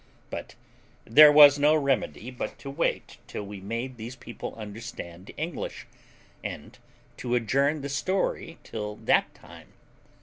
But there was no remedy but to wait till we made these people understand English, and to adjourn the story till that time.